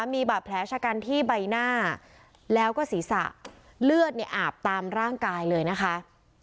มีบาดแผลชะกันที่ใบหน้าแล้วก็ศีรษะเลือดเนี่ยอาบตามร่างกายเลยนะคะ